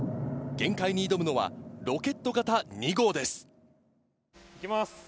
限界に挑むのはロケット型２号です。